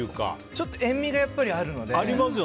ちょっと塩みがあるので。